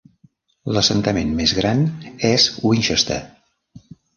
L'assentament més gran és Winchester.